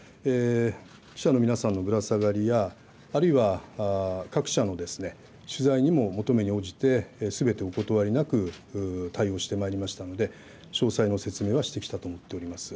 記者の皆さんのぶら下がりや、あるいは各社の取材にも、求めに応じてすべてお断りなく対応してまいりましたので、詳細の説明はしてきたと思っております。